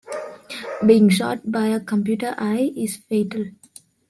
Being shot by a computer eye is fatal.